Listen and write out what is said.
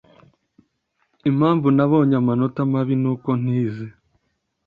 Impamvu nabonye amanota mabi nuko ntize.